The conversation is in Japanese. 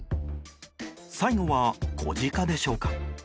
最後はコジカでしょうか。